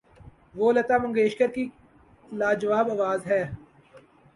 وہ لتا منگیشکر کی لا جواب آواز ہے۔